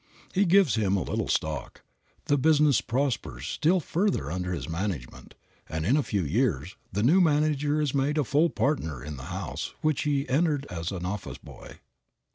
He gives him a little stock; the business prospers still further under his management, and in a few years the new manager is made a full partner in the house which he entered as an office boy.